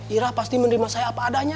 ira pasti menerima saya apa adanya